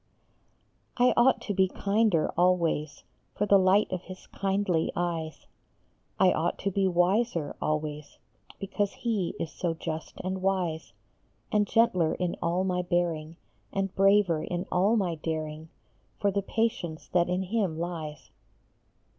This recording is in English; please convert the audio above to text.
OUGHT to be kinder always, For the light of his kindly eyes ; I ought to be wiser always, Because he is so just and wise ; And gentler in all my bearing, And braver in all my daring, For the patience that in him lies.